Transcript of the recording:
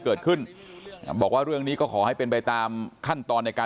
เกิดขึ้นบอกว่าเรื่องนี้ก็ขอให้เป็นไปตามขั้นตอนในการ